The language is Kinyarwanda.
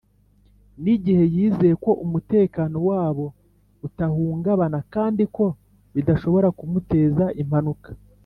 nigihe yizeye ko umutekano wabo utahungabana kandi ko bidashobora kumuteza impanuka